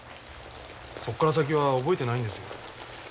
そこから先は覚えてないんですよ。